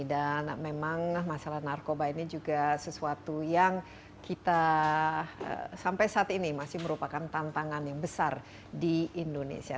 dan memang masalah narkoba ini juga sesuatu yang kita sampai saat ini masih merupakan tantangan yang besar di indonesia